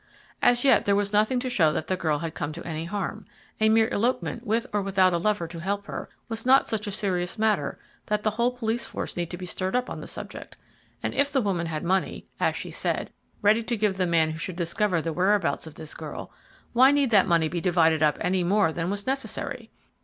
As yet there was nothing to show that the girl had come to any harm. A mere elopement with or without a lover to help her, was not such a serious matter that the whole police force need be stirred up on the subject; and if the woman had money, as she said, ready to give the man who should discover the whereabouts of this girl, why need that money be divided up any more than was necessary.